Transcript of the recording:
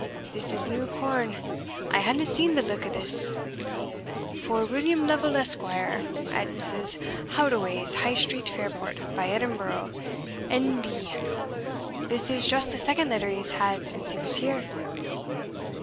This is new corn I haena seen the like o' this For William Lovel, Esquire, at Mrs. Hadoway's, High Street, Fairport, by Edinburgh, N. B. This is just the second letter he has had since he was here."